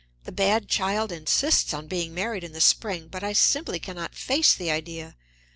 "The bad child insists on being married in the spring, but I simply can not face the idea.